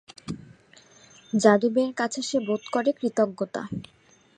যাদবের কাছে সে বোধ করে কৃতজ্ঞতা।